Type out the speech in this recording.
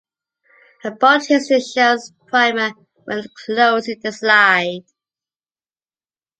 A bolt hits the shell’s primer when closing the slide.